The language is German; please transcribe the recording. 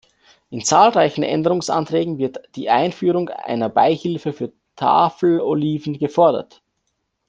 In zahlreichen Änderungsanträgen wird die Einführung einer Beihilfe für Tafeloliven gefordert.